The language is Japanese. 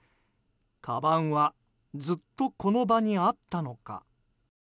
かばんはずっとこの場にあったのか。